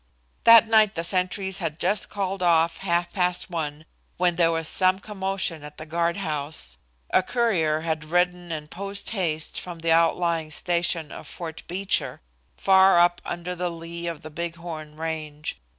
That night the sentries had just called off half past one when there was some commotion at the guard house. A courier had ridden in post haste from the outlying station of Fort Beecher, far up under the lee of the Big Horn range.